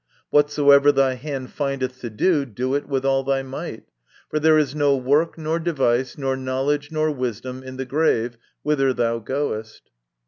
Whatsoever thy hand findeth to do, do it with thy might ; for there is no work, nor device, nor knowledge, nor wisdom, in the grave, whither thou goest."